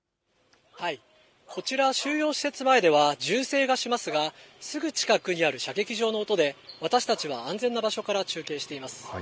こちら、収容施設前では、銃声がしますが、すぐ近くにある射撃場の音で、私たちは安全な場所から中継しています。